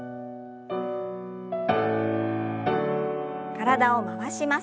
体を回します。